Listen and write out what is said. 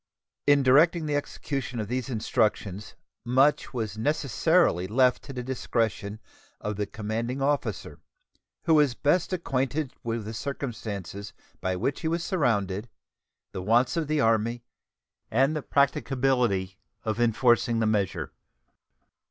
In directing the execution of these instructions much was necessarily left to the discretion of the commanding officer, who was best acquainted with the circumstances by which he was surrounded, the wants of the Army, and the practicability of enforcing the measure.